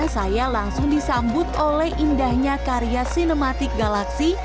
saya langsung disambut oleh indahnya karya sinematik galaksi